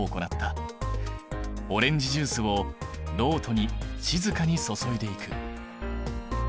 オレンジジュースをろうとに静かに注いでいく。